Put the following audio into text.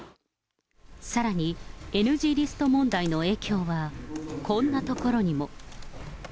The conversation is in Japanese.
さらにＮＧリスト問題の影響はこんなところにも。